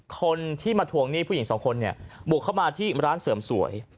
คนที่มาทวงหนี้ผู้หญิงสองคนเนี่ยบุกเข้ามาที่ร้านเสริมสวย